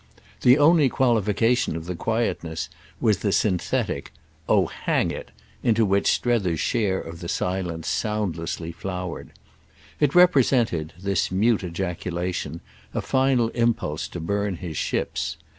The only qualification of the quietness was the synthetic "Oh hang it!" into which Strether's share of the silence soundlessly flowered. It represented, this mute ejaculation, a final impulse to burn his ships.